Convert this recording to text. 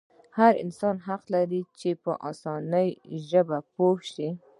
هر انسان حق لري چې په اسانه ژبه پوه شي.